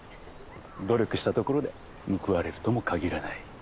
努力したところで報われるともかぎらない。